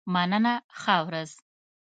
مننه ښه ورځ.